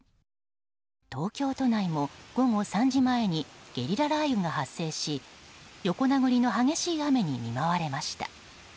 東京都内も午後３時前にゲリラ雷雨が発生し横殴りの激しい雨に見舞われました。